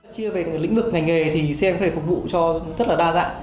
chia về lĩnh vực ngành nghề thì xem có thể phục vụ cho rất là đa dạng